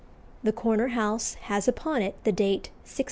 The corner house has upon it the date 1693.